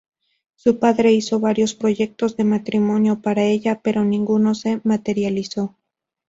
Su padre hizo varios proyectos de matrimonio para ella, pero ninguno se materializó.